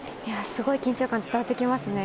すごい緊張感が伝わってきますね。